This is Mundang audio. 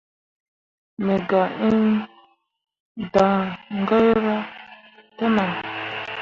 Me gah ĩĩ daŋgaira te nah.